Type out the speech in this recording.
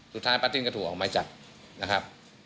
สุดท้ายปะติ้นก็ถูกออกมาจับนะครับ